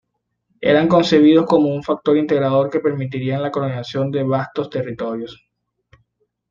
Eran concebidos como un factor integrador que permitirían la colonización de vastos territorios.